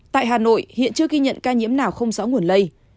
tại hà nội hiện chưa ghi nhận ca nhiễm nào không rõ nguồn lây